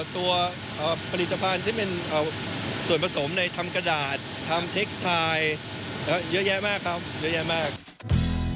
ตัวผลิตภัณฑ์ที่เป็นส่วนผสมในทำกระดาษทำเทคสไทน์เยอะแยะมากครับเยอะแยะมาก